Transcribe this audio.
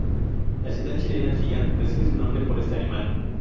La ciudad chilena Chillán recibe su nombre por este animal.